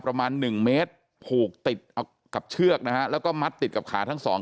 ประมาณหนึ่งเมตรผูกติดกับเชือกนะฮะแล้วก็มัดติดกับขาทั้งสอง